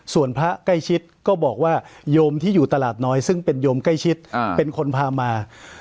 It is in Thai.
ส่วนพระใกล้ชิดก็บอกว่าโยมที่อยู่ตลาดน้อยซึ่งเป็นโยมใกล้ชิดเป็นคนพามา